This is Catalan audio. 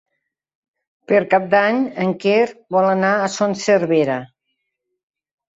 Per Cap d'Any en Quer vol anar a Son Servera.